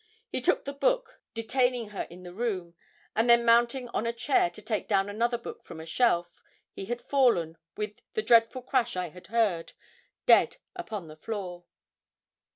He took the book, detaining her in the room, and then mounting on a chair to take down another book from a shelf, he had fallen, with the dreadful crash I had heard, dead upon the floor.